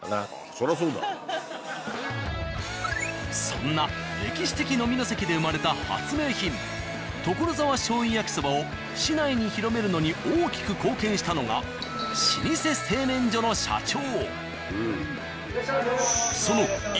そんな歴史的飲みの席で生まれた発明品ところざわ醤油焼きそばを市内に広めるのに大きく貢献したのが老舗製麺所の社長。